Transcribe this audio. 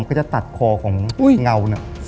มันก็จะตัดคอของเงา